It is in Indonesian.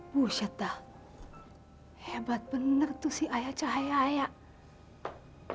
busyata hebat bener tuh si ayah cahaya ayah